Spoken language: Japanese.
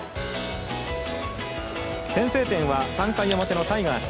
先制点は３回表のタイガース。